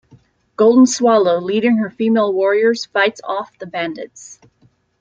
Golden Swallow, leading her female warriors, fights off the bandits.